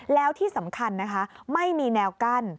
แล้วที่สำคัญนะคะไม่มีแนวกั้น